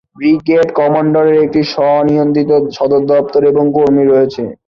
Brigade কমান্ডারের একটি স্ব-নিয়ন্ত্রিত সদর দফতর এবং কর্মী রয়েছে।